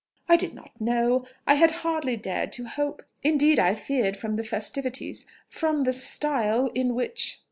I did not know.... I had hardly dared to hope.... Indeed I feared from the festivities ... from the style in which...."